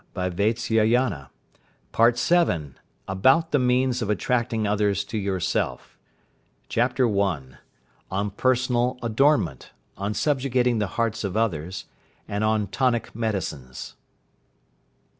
] =END OF PART VI.= PART VII. ABOUT THE MEANS OF ATTRACTING OTHERS TO YOURSELF. CHAPTER I. ON PERSONAL ADORNMENT; ON SUBJUGATING THE HEARTS OF OTHERS; AND ON TONIC MEDICINES.